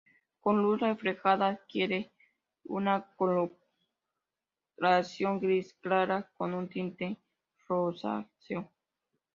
Con luz reflejada adquiere una coloración gris clara con un tinte rosáceo.